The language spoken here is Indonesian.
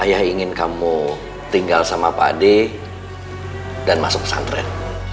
ayah ingin kamu tinggal sama pak ade dan masuk pesantren